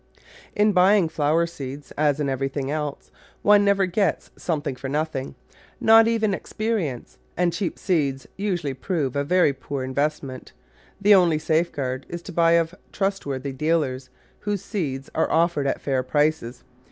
In buying flower seeds, as in everything else, one never gets "something for nothing" — not even experi ence, and cheap seeds usually prove a very poor invest ment; the only safeguard is to buy of trustworthy dealers whose seeds are offered at fair prices.